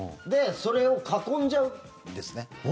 で、それを囲んじゃうんですね。